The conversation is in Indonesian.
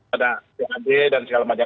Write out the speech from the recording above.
ada pad dan segala macam